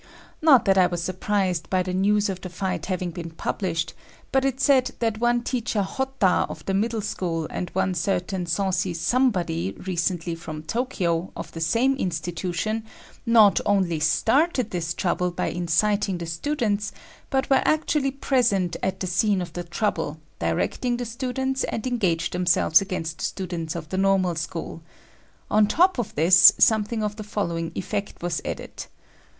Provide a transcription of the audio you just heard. Not that I was surprised by the news of the fight having been published, but it said that one teacher Hotta of the Middle School and one certain saucy Somebody, recently from Tokyo, of the same institution, not only started this trouble by inciting the students, but were actually present at the scene of the trouble, directing the students and engaged themselves against the students of the Normal School. On top of this, something of the following effect was added.